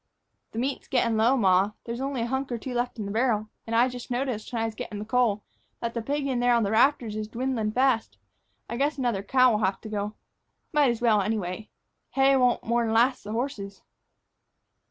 "The meat's gettin' low, ma. There's only a hunk or two left in the barrel, and I just noticed, when I was gettin' the coal, that that pig in there on the rafters is dwindlin' fast. I guess another cow'll have to go. Might as well, anyway. Hay won't more 'n last the horses."